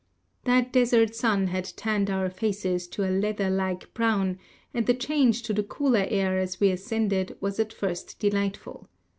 That desert sun had tanned our faces to a leather like brown, and the change to the cooler air as we ascended was at first delightful.